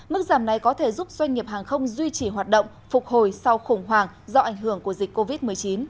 mức giảm này có thể giúp doanh nghiệp hàng không duy trì hoạt động phục hồi sau khủng hoảng do ảnh hưởng của dịch covid một mươi chín